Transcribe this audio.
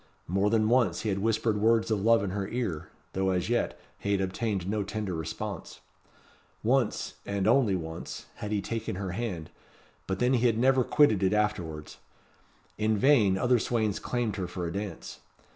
More than once he had whispered words of love in her ear; though, as yet, he had obtained no tender response. Once and once only had he taken her hand; but then he had never quitted it afterwards. In vain other swains claimed her for a dance.